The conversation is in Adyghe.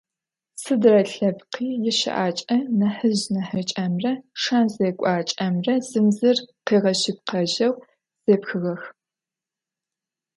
Сыдрэ лъэпкъи ищыӏакӏэ нахьыжъ-нахьыкӏэмрэ шэн-зекӏуакӏэмрэ зым зыр къыгъэшъыпкъэжьэу зэпхыгъэх.